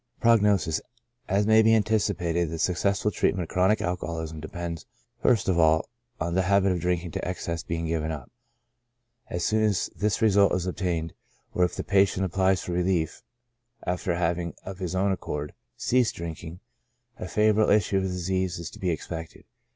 Prognosis. — As may be anticipated, the successful treat ment of chronic alcoholism depends, first of all, on the habit of drinking to excess being given up. As soon as this result is obtained, or if the patient applies for relief. PROGNOSIS. 71 after having, of his own accord, ceased drinking, a favora ble issue of the disease is to be expected.